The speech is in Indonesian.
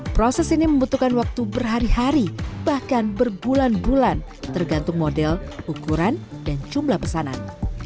proses ini membutuhkan waktu berhari hari bahkan berbulan bulan tergantung model ukuran dan jumlah pesanan